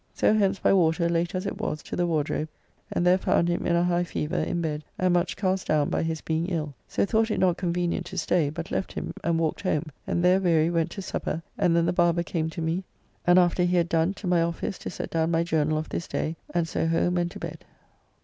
So hence by water, late as it was, to the Wardrobe, and there found him in a high fever, in bed, and much cast down by his being ill. So thought it not convenient to stay, but left him and walked home, and there weary went to supper, and then the barber came to me, and after he had done, to my office to set down my journall of this day, and so home and to bed.